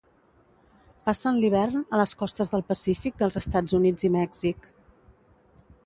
Passen l'hivern a les costes del Pacífic dels Estats Units i Mèxic.